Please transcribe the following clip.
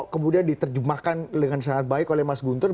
kemudian diterjemahkan dengan sangat baik oleh mas guntur